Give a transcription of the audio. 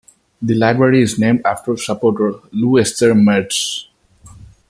The library is named after supporter LuEsther Mertz.